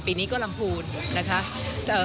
ปีนี้ก็ลำพูนนะคะ